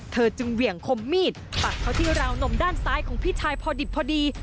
เธอจึงเหวี่ยงคมมีดปักเขาที่ราวนมด้านซ้ายของพี่ชายพอดิบพอดี